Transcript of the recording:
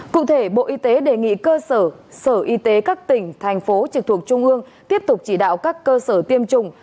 cụ thể bộ y tế đề nghị cơ sở sở y tế các tỉnh thành phố trực thuộc trung ương tiếp tục chỉ đạo các cơ sở tiêm chủng